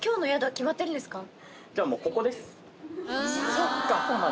そっか。